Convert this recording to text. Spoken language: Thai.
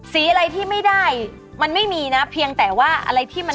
สีอะไรที่ไม่ได้มันไม่มีนะเพียงแต่ว่าอะไรที่มัน